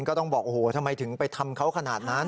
ก็ต้องบอกโอ้โหทำไมถึงไปทำเขาขนาดนั้น